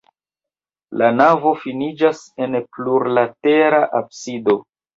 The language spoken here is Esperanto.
La navo finiĝas en plurlatera absido.